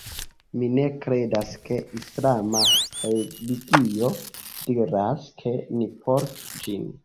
Mi ne kredas ke islama religio diras ke ni portu ĝin.